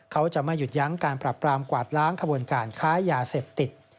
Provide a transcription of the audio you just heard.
เขาจะไม่หยุดยั้งการปรับปรามกวาดล้างขบวนการค้ายาเสพติด